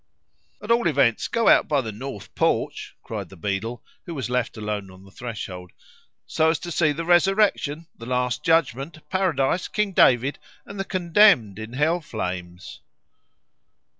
"At all events, go out by the north porch," cried the beadle, who was left alone on the threshold, "so as to see the Resurrection, the Last Judgment, Paradise, King David, and the Condemned in Hell flames."